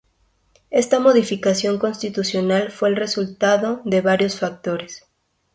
Esta modificación constitucional fue el resultado de varios factores.